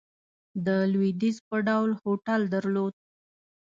د لوېدیځ په ډول هوټل درلود.